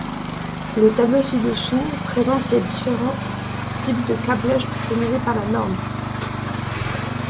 Le tableau ci-dessous présente les différents types de câblage préconisés par la norme.